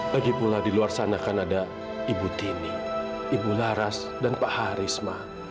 lagipula di luar sana kan ada ibu tini ibu laras dan pak haris ma